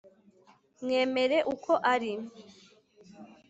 mwemere uko ari,